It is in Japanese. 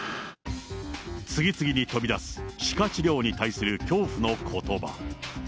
次々に飛び出す歯科治療に対する恐怖のことば。